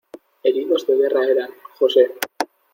¡Heridos de guerra eran, José!